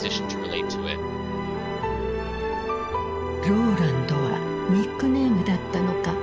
ローランドはニックネームだったのか。